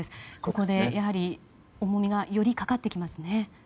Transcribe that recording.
ここで重みがよりかかってきますね。